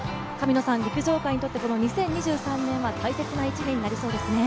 陸上界にとって２０２３年は大切な１年になりそうですね。